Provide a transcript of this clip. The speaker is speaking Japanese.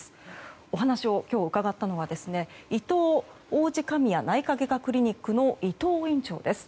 お話を今日伺ったのはいとう王子神谷内科外科クリニックの伊藤院長です。